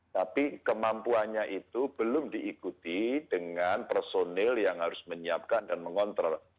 tapi kemampuannya itu belum diikuti dengan personil yang harus menyiapkan dan mengontrol